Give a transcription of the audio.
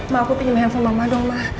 ma aku pinjam handphone mama doang ma